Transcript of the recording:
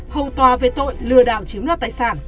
hầu tòa về tội lừa đảo chiếm đoạt tài sản